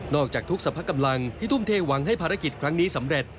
จากทุกสรรพกำลังที่ทุ่มเทหวังให้ภารกิจครั้งนี้สำเร็จ